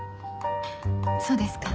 そうですか。